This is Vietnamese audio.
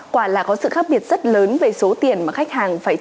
quả là có sự khác biệt rất lớn về số tiền mà khách hàng